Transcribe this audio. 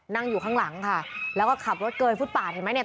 นั่งอยู่ข้างหลังค่ะแล้วก็ขับรถเกยฟุตปาดเห็นไหมเนี่ย